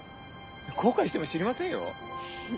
後悔しても知りませんよ。